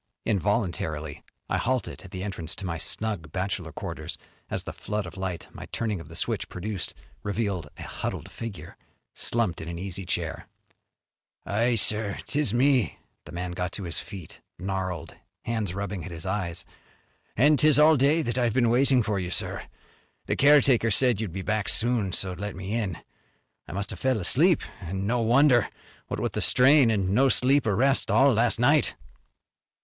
Involuntarily I halted at the entrance to my snug bachelor quarters as the flood of light my turning of the switch produced revealed a huddled figure slumped in an easy chair. "Aye, sir, 'tis me." The man got to his feet, gnarled hands rubbing at his eyes. "An' 'tis all day that I've been waiting for you, sir. The caretaker said you'd be back soon so let me in. I must have fell asleep, an' no wonder, what with the strain an' no sleep or rest all last night."